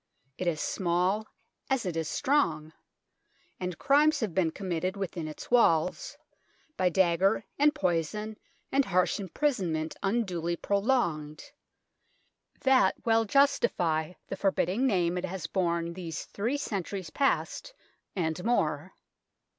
It is small as it is strong, and crimes have been committed within its walls, by dagger and poison and harsh imprisonment unduly prolonged, that well justify the forbidding name it has borne these three centuries past and more.